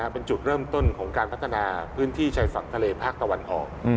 เป็นจุดเริ่มต้นของการพัฒนาพื้นที่ชายฝั่งทะเลภาคตะวันออก